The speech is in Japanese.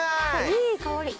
いい香り。